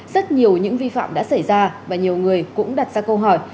rất nhiều những vi phạm đã xảy ra và nhiều người cũng đặt ra câu hỏi